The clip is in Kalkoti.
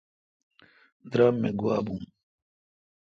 درام می گوا بھون۔